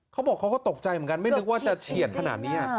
เขาบอกเขาก็ตกใจเหมือนกันไม่นึกว่าจะเฉียดขนาดนี้